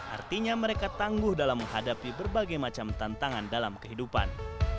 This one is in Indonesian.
artinya mereka tangguh dalam menghadapi berbagai macam tantangan dalam kehidupan